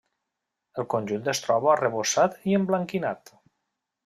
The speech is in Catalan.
El conjunt es troba arrebossat i emblanquinat.